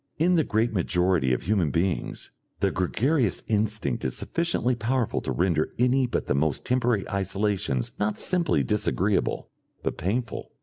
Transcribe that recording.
In the great majority of human beings, the gregarious instinct is sufficiently powerful to render any but the most temporary isolations not simply disagreeable, but painful.